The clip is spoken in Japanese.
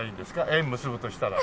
縁結ぶとしたら。